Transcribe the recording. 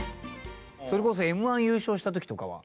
それこそＭ−１優勝した時とかは。